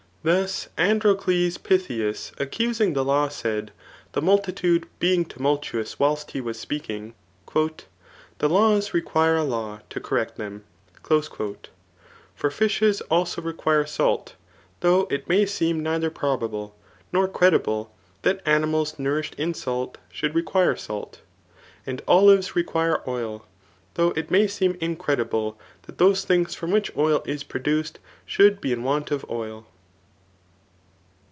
Thus Androcles Pitbeus accusing the law said, (the multitude being tumultuous whilst he was speaking) ^'The laws require a law to correct them/^ For fishes also require salt, though it may seem neither probable, nor credible, that animals nourished in salt, should require salt. And oHres require oil ; though it may seem incredible, that those things from which oil is produced, should be in want of oil.